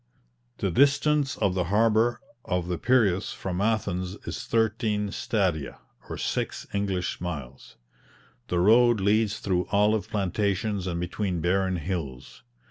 The distance of the harbour of the Piraeus from Athens is thirteen stadia, or six English miles. The road leads through olive plantations and between barren hills.